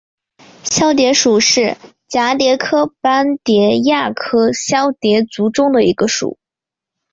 绡蝶属是蛱蝶科斑蝶亚科绡蝶族中的一个属。